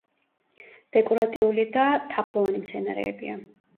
დეკორატიული და თაფლოვანი მცენარეებია.